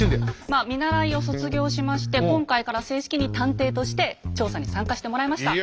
まあ見習いを卒業しまして今回から正式に探偵として調査に参加してもらいました。